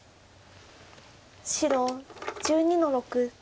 白１２の六。